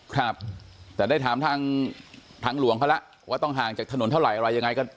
ครับแต่ได้ถามทางหลวงเขาแล้วว่าต้องห่างจากถนนเท่าไหร่อะไรยังไงกัน